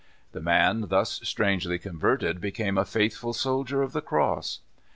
The man tlius strangely converted became a faithful soldier of the cross.